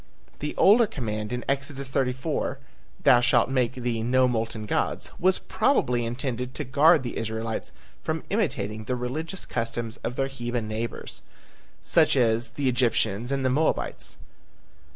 The older command in Exodus 34, "Thou shall make thee no molten gods," was probably intended to guard the Israelites from imitating the religious customs of their heathen neighbors, such as the Egyptians and the Moabites.